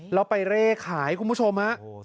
แล้วไปเร่ขายคุณผู้ชมฮะ